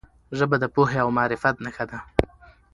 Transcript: ژبه د پوهې او معرفت نښه ده.